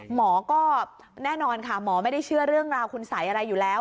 หมอก็แน่นอนค่ะหมอไม่ได้เชื่อเรื่องราวคุณสัยอะไรอยู่แล้ว